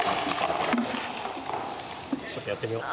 ちょっとやってみよう。